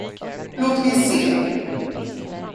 Låt mig se!